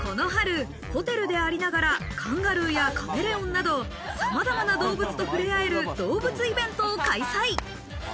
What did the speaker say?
この春ホテルでありながら、カンガルーやカメレオンなど様々な動物と触れ合えると動物イベントを開催。